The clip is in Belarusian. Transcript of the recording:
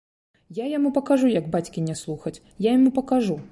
Я яму пакажу, як бацькі не слухаць, я яму пакажу!